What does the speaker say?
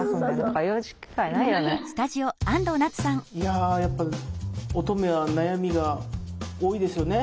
いややっぱ乙女は悩みが多いですよね。